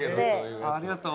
ああありがとう。